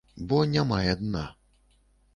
Бо не мае дна.